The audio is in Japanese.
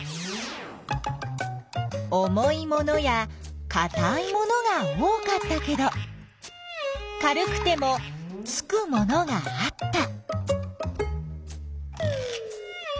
重いものやかたいものが多かったけど軽くてもつくものがあった。